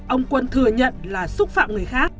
ông quân thừa nhận là xúc phạm người khác